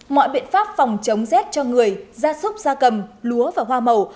mọi biện pháp phòng chống rét cho người gia súc gia cầm lúa và hoa màu